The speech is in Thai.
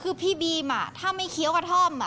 คือพี่บีมถ้าไม่เคี้ยวกระท่อม